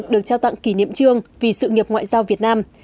được trao tặng kỷ niệm trương vì sự nghiệp ngoại giao việt nam